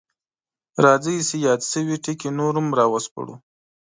راځئ چې یاد شوي ټکي نور هم راوسپړو: